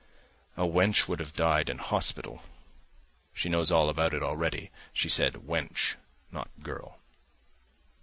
"A wench would have died in hospital ..." (She knows all about it already: she said "wench," not "girl.")